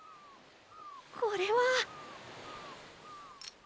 これは。